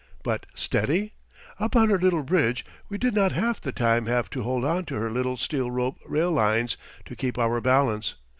But steady? Up on her little bridge we did not half the time have to hold on to her little steel rope rail lines to keep our balance.